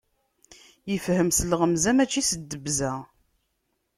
Ifhem s lɣemza, mačči s ddebza.